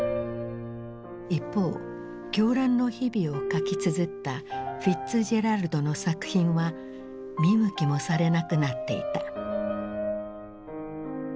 一方狂乱の日々を書きつづったフィッツジェラルドの作品は見向きもされなくなっていた。